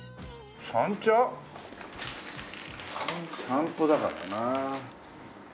散歩だからなあ。